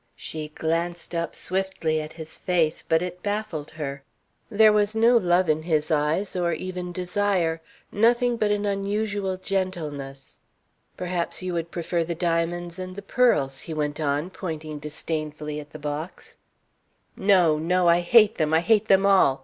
She glanced up swiftly at his face, but it baffled her. There was no love in his eyes or even desire, nothing but an unusual gentleness. "Perhaps you would prefer the diamonds and the pearls," he went on, pointing disdainfully at the box. "No, no. I hate them! I hate them all!